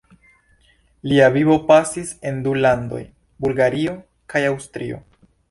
Lia vivo pasis en du landoj: Bulgario kaj Aŭstrio.